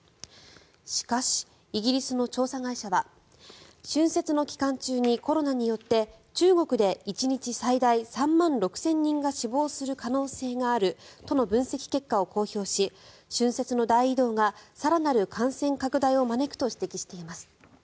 しかし、イギリスの調査会社は春節の期間中にコロナによって中国で１日最大３万６０００人が死亡する可能性があるとの分析結果を公表し春節の大移動が更なる感染拡大を招くと指摘しています。